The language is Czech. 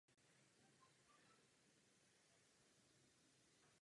Byly používány po celém bývalém Československu.